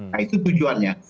nah itu tujuannya